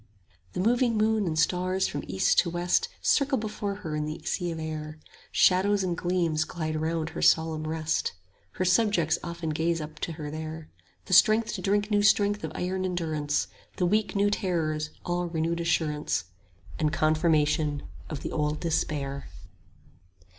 The moving moon and stars from east to west Circle before her in the sea of air; Shadows and gleams glide round her solemn rest. 80 Her subjects often gaze up to her there: The strong to drink new strength of iron endurance, The weak new terrors; all, renewed assurance And confirmation of the old despair.